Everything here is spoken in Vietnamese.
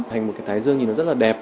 thành một cái thái dương thì nó rất là đẹp